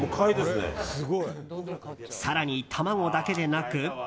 更に卵だけでなく。